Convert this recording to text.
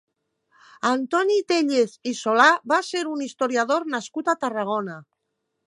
Antoni Téllez i Solà va ser un historiador nascut a Tarragona.